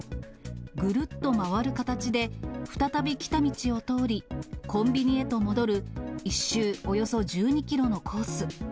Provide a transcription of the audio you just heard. ぐるっと回る形で、再び来た道を通り、コンビニへと戻る１周およそ１２キロのコース。